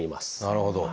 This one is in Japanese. なるほど。